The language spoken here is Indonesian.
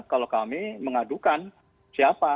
kalau kami mengadukan siapa